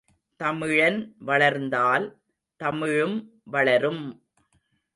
தமிழன் வளர்ந்தால் தமிழும் வளரும்!